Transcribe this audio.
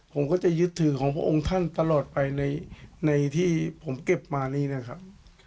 ผมก็จะยึดถือของพระองค์ท่านตลอดไปในที่ผมเก็บมานี่นะครับ